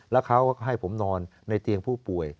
แล้วเขาก็ให้ผมนอนในเตียงผู้ป่วย